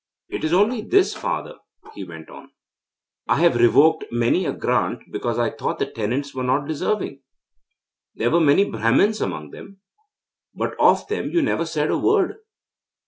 'It is only this, father,' he went on; 'I have revoked many a grant because I thought the tenants were not deserving. There were many Brahmins among them, but of them you never said a word.